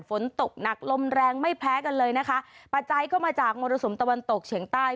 ฝนตกหนักลมแรงไม่แพ้กันเลยนะคะปัจจัยก็มาจากมรสุมตะวันตกเฉียงใต้